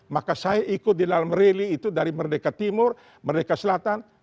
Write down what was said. maka saya ikut di dalam rally itu dari merdeka timur merdeka selatan